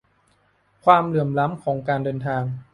ความเหลื่อมล้ำ ของการเดินทาง